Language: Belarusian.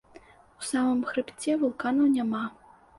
У самым хрыбце вулканаў няма.